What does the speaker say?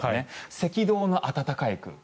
赤道の暖かい空気